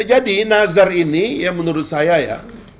jadi nazar ini ya menurut saya ya